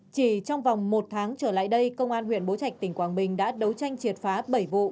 chỉ trong vòng một tháng trở lại đây công an huyện bố trạch tỉnh quảng bình đã đấu tranh triệt phá bảy vụ